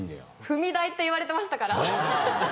踏み台って言われてましたから。